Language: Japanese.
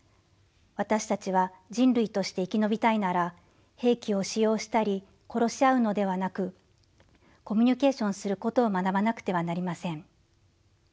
私たちは人類として生き延びたいなら兵器を使用したり殺し合うのではなくコミュニケーションすることを学ばなくてはなりません」。